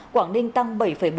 quảng ninh tăng bảy bốn